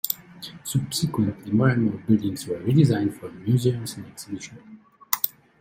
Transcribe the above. Subsequently, more and more buildings were redesigned for museums and exhibition.